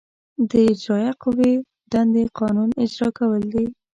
د اجرائیه قوې دندې قانون اجرا کول دي.